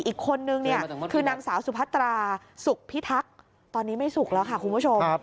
อีกคนนึงเนี่ยคือนางสาวสุพัตราสุขพิทักษ์ตอนนี้ไม่สุกแล้วค่ะคุณผู้ชม